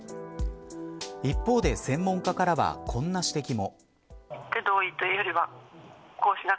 一方で、専門家からはこんな指摘も。